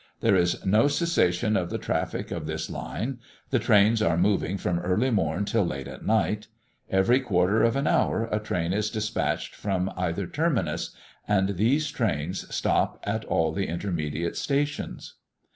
There is no cessation in the traffic of this line; the trains are moving from early morn till late at night; every quarter of an hour a train is despatched from either terminus, and these trains stop at all the intermediate stations.